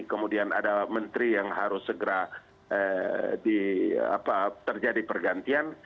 kemudian ada menteri yang harus segera terjadi pergantian